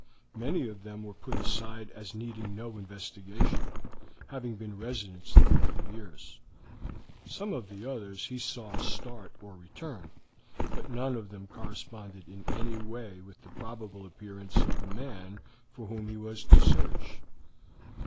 Many of them were put aside as needing no investigation, having been residents there for years. Some of the others he saw start or return, but none of them corresponded in any way with the probable appearance of the man for whom he was in search.